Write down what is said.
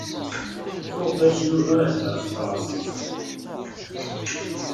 TtuƔ bac Yuba iheddeṛ tafṛansist.